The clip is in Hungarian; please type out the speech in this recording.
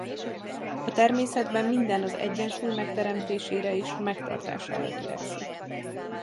A természetben minden az egyensúly megteremtésére és megtartására törekszik.